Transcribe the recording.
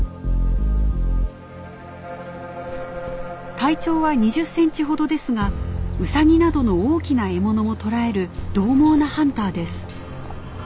体長は２０センチほどですがウサギなどの大きな獲物も捕らえるどう猛なハンターです。